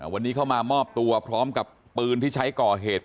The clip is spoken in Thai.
วันนี้เข้ามามอบตัวพร้อมกับปืนที่ใช้ก่อเหตุ